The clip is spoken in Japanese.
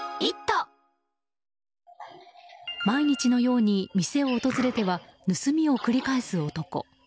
毎日のように店を訪れては盗みを繰り返す男。